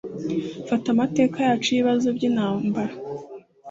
fata amateka yacu yibibazo byintambara